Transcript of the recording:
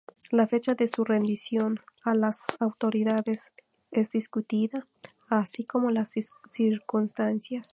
La fecha de su rendición a las autoridades es discutida, así como las circunstancias.